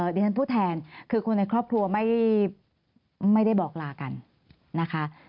ดิฉันพูดแทนคือคนในครอบครัวไม่ได้บอกลากันนะคะ